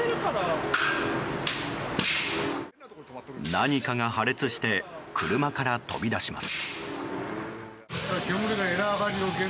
何かが破裂して車から飛び出します。